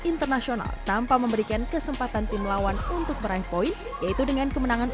internasional tanpa memberikan kesempatan tim lawan untuk meraih poin yaitu dengan kemenangan